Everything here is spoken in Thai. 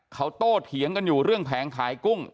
เขาโตเถียงกันอยู่เรื่องแผงขายกุ้ง